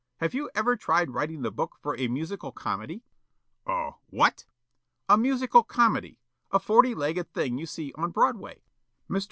Have you ever tried writing the book for a musical comedy?" "A what?" "A musical comedy. A forty legged thing you see on Broadway." Mr.